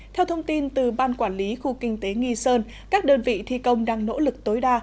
theo thông tin từ ban quản lý khu kinh tế nghi sơn các đơn vị thi công đang nỗ lực tối đa